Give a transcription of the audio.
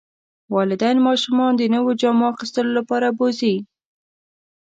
والدین ماشومان د نویو جامو اخیستلو لپاره بوځي.